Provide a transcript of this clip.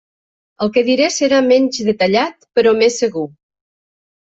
El que diré serà menys detallat, però més segur.